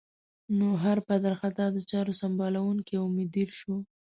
نو هر پدر خطا د چارو سمبالوونکی او مدیر شو.